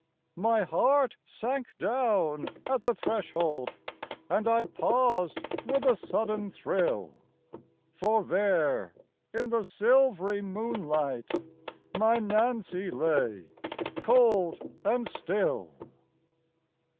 My heart sank down at the threshold. And I paused with a sudden thrill, For there in the silv'ry moonlight My Nance lay, cold and still.